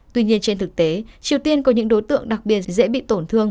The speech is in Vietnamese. tuy nhiên trên thực tế triều tiên có những đối tượng đặc biệt dễ bị tổn thương